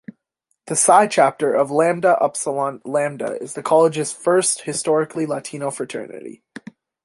The Psi Chapter of Lambda Upsilon Lambda is the college's first historically Latino fraternity.